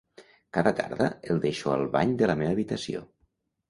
Cada tarda el deixo al bany de la meva habitació.